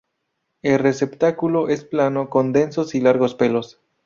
El receptáculo es plano, con densos y largos pelos.